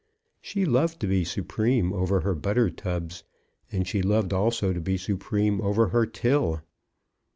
She loved to be supreme over her butter tubs, and she loved also to be supreme over her till.